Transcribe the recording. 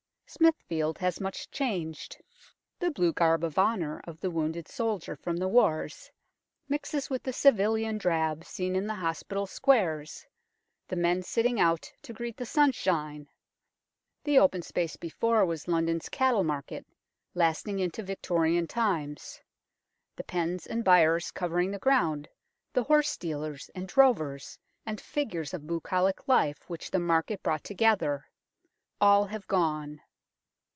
Smithfield has much changed. The blue garb 176 THE FIRES OF SMITHFIELD 177 of honour of the wounded soldier from the wars mixes with the civilian drab seen in the Hospital squares, the men sitting out to greet the sun shine. The open space before was London's cattle market, lasting into Victorian times. The pens and byres covering the ground, the horse dealers and drovers and figures of bucolic life which the market brought together all have gone.